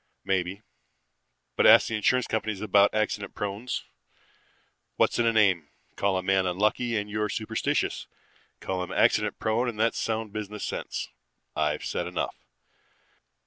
Maybe; but ask the insurance companies about accident prones. What's in a name? Call a man unlucky and you're superstitious. Call him accident prone and that's sound business sense. I've said enough.